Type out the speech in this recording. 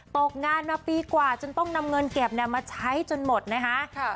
ตกงานมาปีกว่าจนต้องนำเงินเก็บมาใช้จนหมดนะคะ